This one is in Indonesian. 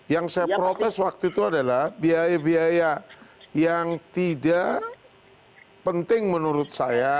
yang saya protes waktu itu adalah biaya biaya yang tidak penting menurut saya